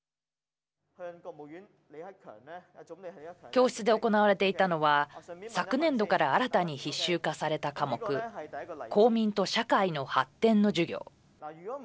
教室で行われていたのは昨年度から新たに必修化された科目公民と社会の発展の授業。